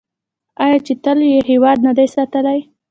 آیا چې تل یې هیواد نه دی ساتلی؟